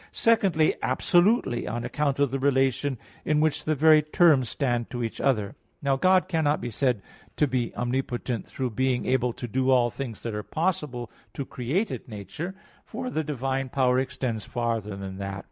Secondly absolutely, on account of the relation in which the very terms stand to each other. Now God cannot be said to be omnipotent through being able to do all things that are possible to created nature; for the divine power extends farther than that.